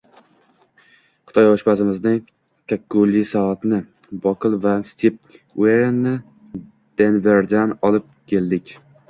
Xitoy-oshpazimizni, kakkuli soatni, Bokl va Sep Uinnerni Denverdan olib keldik